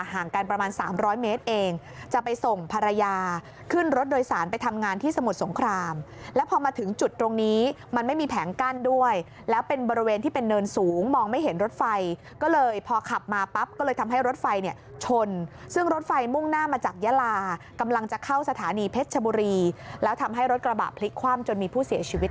ห่างกันประมาณ๓๐๐เมตรเองจะไปส่งภรรยาขึ้นรถโดยสารไปทำงานที่สมุทรสงครามแล้วพอมาถึงจุดตรงนี้มันไม่มีแผงกั้นด้วยแล้วเป็นบริเวณที่เป็นเนินสูงมองไม่เห็นรถไฟก็เลยพอขับมาปั๊บก็เลยทำให้รถไฟเนี่ยชนซึ่งรถไฟมุ่งหน้ามาจากยาลากำลังจะเข้าสถานีเพชรชบุรีแล้วทำให้รถกระบะพลิกคว่ำจนมีผู้เสียชีวิต